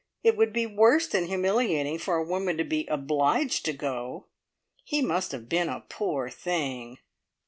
It would be worse than humiliating for a woman to be obliged to go! He must have been a poor thing!"